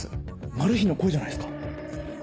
マル被の声じゃないっすか？